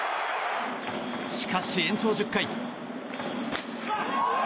しかし、延長１０回。